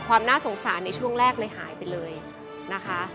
ความน่าสงสารในช่วงแรกเลยหายไปเลยนะคะ